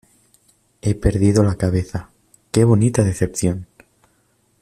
He perdido la cabeza, ¡qué bonita decepción!